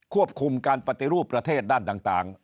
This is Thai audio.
ควบคุมการปฏิรูปประเทศด้านต่าง